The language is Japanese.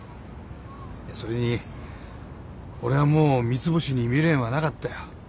それに俺はもう三ツ星に未練はなかったよ。